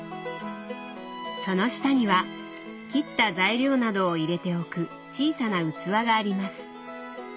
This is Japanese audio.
その下には切った材料などを入れておく小さな器があります。